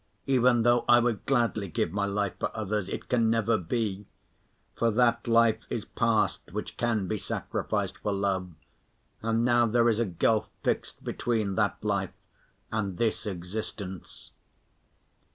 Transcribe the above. Even though I would gladly give my life for others, it can never be, for that life is passed which can be sacrificed for love, and now there is a gulf fixed between that life and this existence."